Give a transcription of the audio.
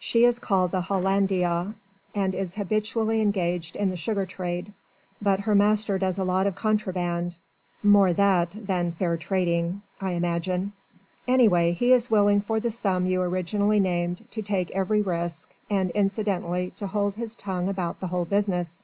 "She is called the Hollandia and is habitually engaged in the sugar trade: but her master does a lot of contraband more that than fair trading, I imagine: anyway, he is willing for the sum you originally named to take every risk and incidentally to hold his tongue about the whole business."